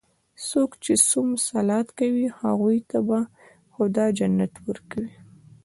څوک چې صوم صلات کوي، هغوی ته به خدا جنت ورکوي.